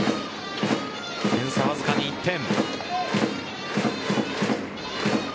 点差、わずかに１点。